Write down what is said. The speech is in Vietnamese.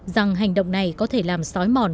rằng hành động này có thể làm sói mòn